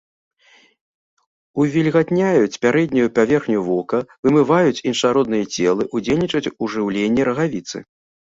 Увільгатняюць пярэднюю паверхню вока, вымываюць іншародныя целы, удзельнічаюць у жыўленні рагавіцы.